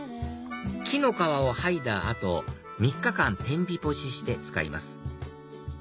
木の皮を剥いだ後３日間天日干しして使います